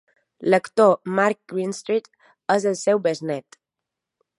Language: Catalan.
L'actor Mark Greenstreet és el seu besnét.